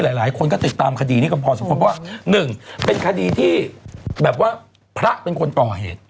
หลายคนก็ติดตามคดีนี้ก็พอสมมุติว่า๑เป็นคดีที่แบบว่าพระเป็นคนก่อเหตุ